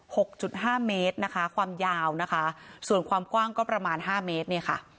หกจุดห้าเมตรนะคะความยาวนะคะส่วนความกว้างก็ประมาณห้าเมตรเนี่ยค่ะ